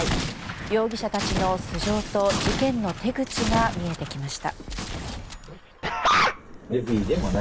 容疑者たちの素性と事件の手口が見えてきました。